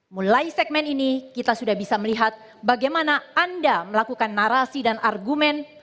mulai segmen ini kita sudah bisa melihat bagaimana anda melakukan narasi dan argumen